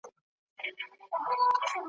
د لایق مینه به ولې داستان نه شي